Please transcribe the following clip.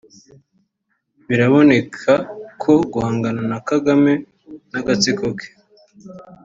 biranaboneka ko guhangana na Kagame n’agatsiko ke